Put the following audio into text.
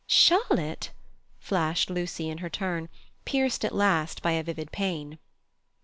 "Charlotte?" flashed Lucy in her turn, pierced at last by a vivid pain.